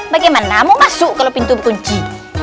bagaimana mau masuk kalau pintu kunci